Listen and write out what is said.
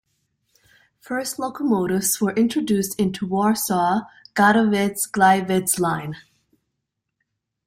First locomotives were introduced into Warsaw-Katowice-Gliwice line.